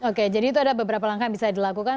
oke jadi itu ada beberapa langkah yang bisa dilakukan